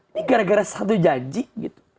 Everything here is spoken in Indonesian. ini gara gara satu janji gitu